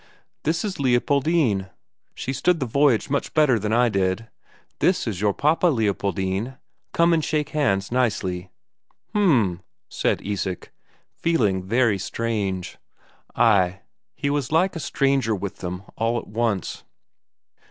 "This is Leopoldine; she's stood the voyage much better than I did. This is your papa, Leopoldine; come and shake hands nicely." "H'm," said Isak, feeling very strange ay, he was like a stranger with them all at once.